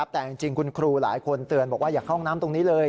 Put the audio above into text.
แต่จริงคุณครูหลายคนเตือนบอกว่าอย่าเข้าห้องน้ำตรงนี้เลย